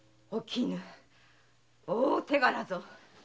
大手柄ぞ。